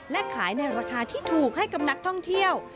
และขายในราคาที่ถูกให้กับนักท่องเที่ยว